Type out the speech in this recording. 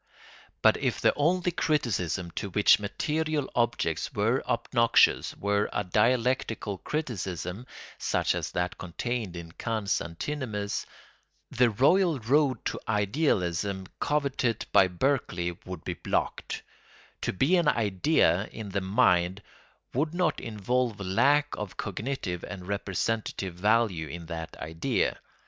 But if the only criticism to which material objects were obnoxious were a dialectical criticism, such as that contained in Kant's antinomies, the royal road to idealism coveted by Berkeley would be blocked; to be an idea in the mind would not involve lack of cognitive and representative value in that idea.